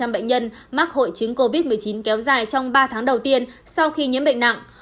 hai mươi bệnh nhân mắc hội chứng covid một mươi chín kéo dài trong ba tháng đầu tiên sau khi nhiễm bệnh nặng